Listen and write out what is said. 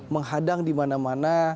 menghadang di mana mana